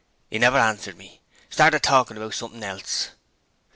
'e never answered me! Started talkin' about something else.'